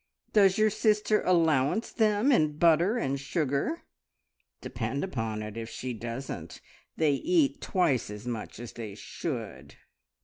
Does your sister allowance them in butter and sugar? Depend upon it, if she doesn't, they eat twice as much as they should.